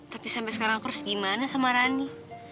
tapi sampai sekarang aku harus gimana sama rani